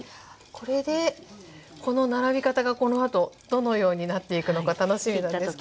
これでこの並び方がこのあとどのようになっていくのか楽しみなんですけども。